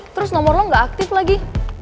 terus nomor lo gak aktif lagi